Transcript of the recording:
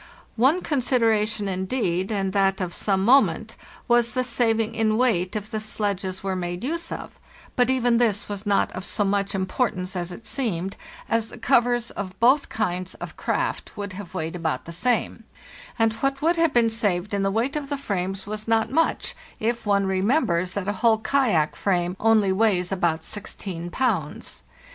One consideration indeed, and that of some moment, was the saving in weight if the sledges were made use of; but even this was not of so much importance as it seemed, WE MAKE A START 113 as the covers of both kinds of craft would have weighed about the same, and what would have been saved in the weight of the frames was not much, if one remembers that a whole kayak frame only weighs about 16 pounds.